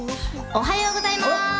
おはようございます！